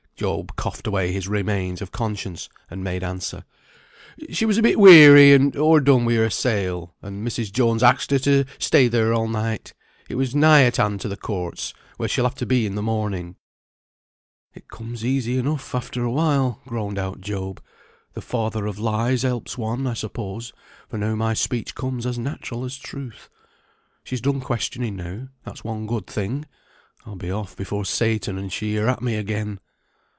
Job coughed away his remains of conscience, and made answer, "She was a bit weary, and o'er done with her sail; and Mrs. Jones axed her to stay there all night. It was nigh at hand to the courts, where she will have to be in the morning." "It comes easy enough after a while," groaned out Job. "The father of lies helps one, I suppose, for now my speech comes as natural as truth. She's done questioning now, that's one good thing. I'll be off before Satan and she are at me again."